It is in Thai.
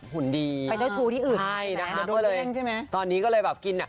คนที่ขุนหนุ่มหันไม่ใช่ใครที่ไหน